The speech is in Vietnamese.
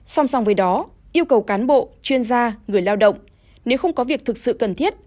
song song với đó yêu cầu cán bộ chuyên gia người lao động nếu không có việc thực sự cần thiết